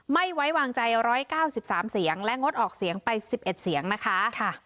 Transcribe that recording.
ไม่ไว้วางใจร้อยเก้าสิบสามเสียงและงดออกเสียงไปสิบเอ็ดเสียงนะคะ